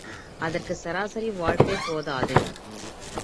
அதற்குச் சராசரி வாழ்க்கை போதாது.